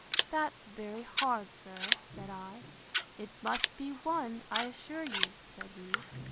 That's very hard, sir, said I. It must be one, I assure you, said he.